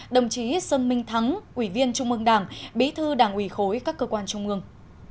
đồng chí sơn minh thắng ủy viên trung ương đảng bí thư đảng ủy khối các cơ quan trung ương